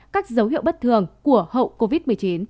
các dấu hiệu bất thường của hậu covid một mươi chín